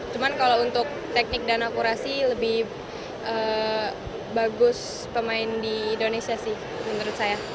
cuma kalau untuk teknik dan akurasi lebih bagus pemain di indonesia sih menurut saya